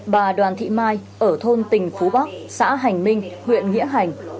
bà đoàn thị mai ở thôn tình phú bắc xã hành minh huyện nghĩa hành